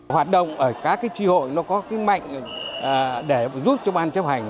hoạt động ở các tri hội nó có cái mạnh để giúp cho ban chấp hành